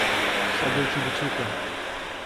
سەگێکی بچووکە.